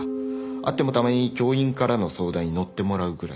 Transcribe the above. あってもたまに教員からの相談にのってもらうぐらいで。